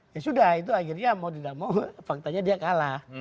ya sudah itu akhirnya mau tidak mau faktanya dia kalah